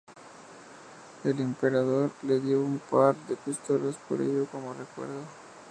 El Emperador le dio un par de pistolas por ello como recuerdo.